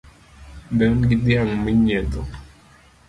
Be un gi dhiang' minyiedho?